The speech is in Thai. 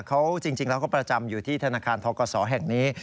เขาจริงแล้วก็ประจำอยู่ที่ธนาคารทกศแห่งนี้